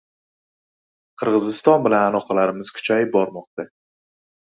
Qirg‘iziston bilan aloqalarimiz kuchayib bormoqda